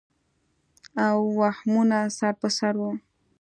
او وهمونه سر پر سر وو